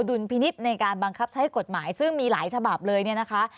ลพินิษฐ์ในการบังคับใช้กฎหมายซึ่งมีหลายฉบับเลยเนี่ยนะคะ